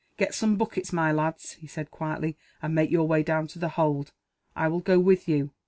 "Get some buckets, my lads," he said quietly, "and make your way down to the hold. I will go with you.